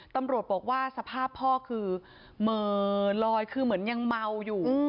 ตำรวจบอกว่าสภาพพ่อคือเหม่อลอยคือเหมือนยังเมาอยู่